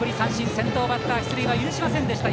先頭バッター出塁は許しませんでした。